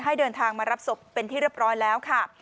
เดินทางมารับศพเป็นที่เรียบร้อยแล้วค่ะ